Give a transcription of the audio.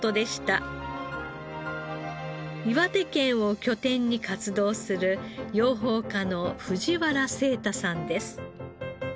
岩手県を拠点に活動する養蜂家の藤原誠太さんです。